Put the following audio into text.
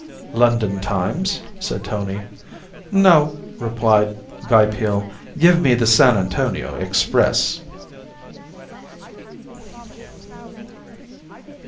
"London Times?" said Tony. "No," replied Guy Peel. "Give me the San Antonio Express."